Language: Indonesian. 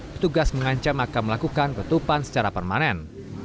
petugas mengancam akan melakukan ketupan secara permanen